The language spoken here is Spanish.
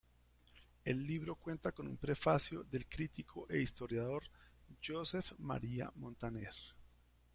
El libro cuenta con un prefacio del crítico e historiador Josep Maria Montaner.